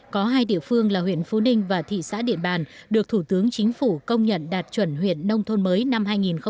có hai địa phương là huyện phú ninh và thị xã điện bàn được thủ tướng chính phủ công nhận đạt chuẩn huyện nông thôn mới năm hai nghìn một mươi